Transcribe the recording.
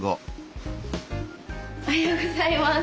おはようございます。